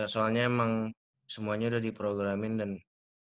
soalnya emang semuanya udah diprogramin dan